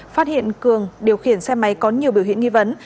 phát hiện cường điều khiển xe máy có nhiều biểu hiện nghi vấn